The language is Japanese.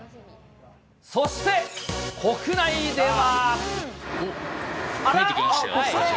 そして、国内では。